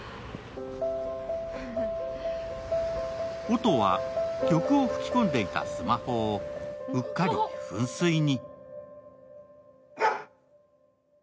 音は曲を吹き込んでいたスマホをうっかり噴水に。